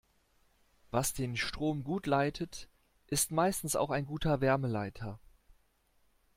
Was den Strom gut leitet, ist meistens auch ein guter Wärmeleiter.